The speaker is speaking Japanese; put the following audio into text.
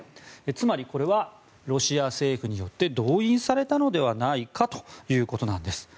つまり、これはロシア政府により動員されたのではないかということです。